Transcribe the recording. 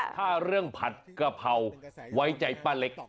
ถ้าเรื่องผัดกะเพราไว้ใจป้าเล็ก